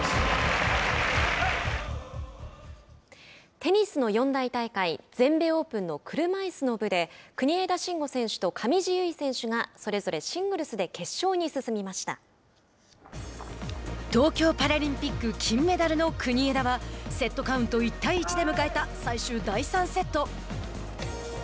テニスの四大大会全米オープンの車いすの部で国枝慎吾選手と上地結衣選手がそれぞれシングルスで東京パラリンピック金メダルの国枝はセットカウント１対１で迎えた最終第３セット。